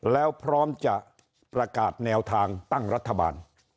แล้วพร้อมจะประกาศแนวทางตั้งรัฐบาล